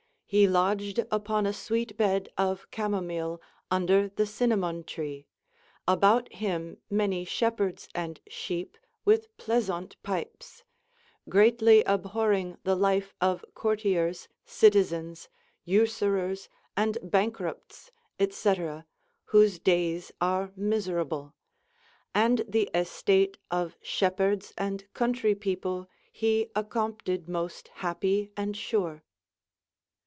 He lodged upon a sweetebed of chamomill under the sinamone tree: about him many shepherdes and shepe, with pleasaunte pipes; greatly abhorring the life of Courtiers, Citizens, Usurers, and Banckruptes, etc., whose daies are miserable. And the estate of shepherdes and countrie people he accompted moste happie and sure."